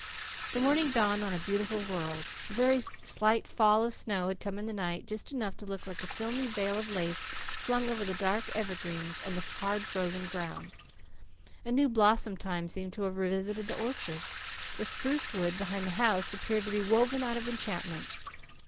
The morning dawned on a beautiful world. A very slight fall of snow had come in the night just enough to look like a filmy veil of lace flung over the dark evergreens, and the hard frozen ground. A new blossom time seemed to have revisited the orchard. The spruce wood behind the house appeared to be woven out of enchantment.